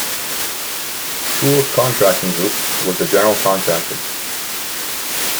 Tooles Contracting Group was the General Contractor.